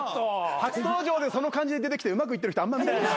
初登場でその感じで出てきてうまくいってる人あんま見たことない。